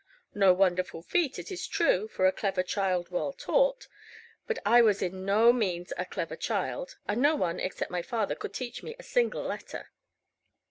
No very wonderful feat, it is true, for a clever child well taught; but I was by no means a clever child; and no one except my father could teach me a single letter.